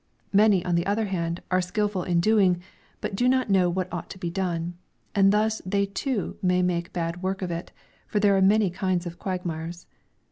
Many, on the other hand, are skillful in doing, but do not know what ought to be done; and thus they too may make bad work of it, for there are many kinds of quagmires.